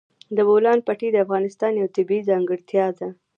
د بولان پټي د افغانستان یوه طبیعي ځانګړتیا ده.